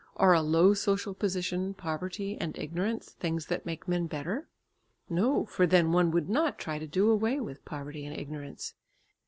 Are a low social position, poverty and ignorance things that make men better? No, for then one would not try to do away with poverty and ignorance.